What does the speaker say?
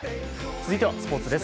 続いてはスポーツです。